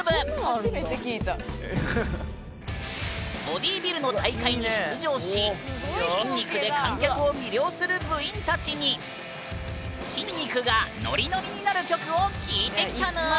ボディービルの大会に出場し筋肉で観客を魅了する部員たちに筋肉がノリノリになる曲を聞いてきたぬん！